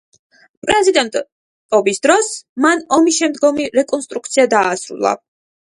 პრეზიდენტობის დროს მან ომის შემდგომი რეკონსტრუქცია დაასრულა.